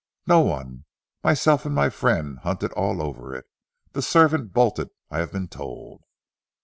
"No one. Myself and my friend hunted all over it. The servant bolted, I have been told."